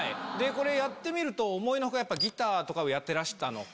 やってみると思いの外ギターとかをやってらしたのか。